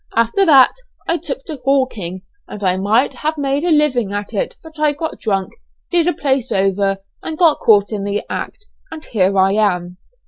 After that I took to hawking, and I might have made a living at it but I got drunk, did a place over, and got caught in the act, and here I am."